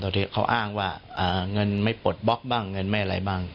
ตอนนี้เขาอ้างว่าเงินไม่ปลดบล็อกบ้างเงินไม่อะไรบ้าง